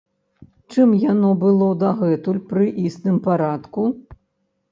Чым яно было дагэтуль пры існым парадку?